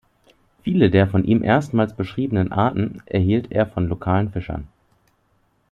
Viele der von ihm erstmals beschriebenen Arten erhielt er von lokalen Fischern.